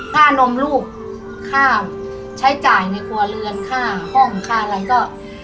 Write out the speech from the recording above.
นมลูกค่าใช้จ่ายในครัวเรือนค่าห้องค่าอะไรก็